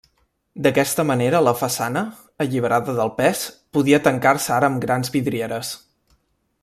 D'aquesta manera la façana, alliberada del pes, podia tancar-se ara amb grans vidrieres.